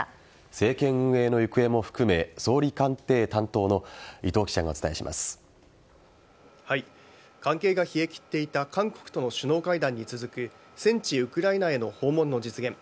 政権運営の行方も含め総理官邸担当の伊藤記者が関係が冷え切っていた韓国との首脳会談に続く戦地・ウクライナへの訪問の実現。